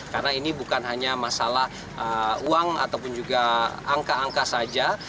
karena ini bukan hanya masalah uang ataupun juga angka angka saja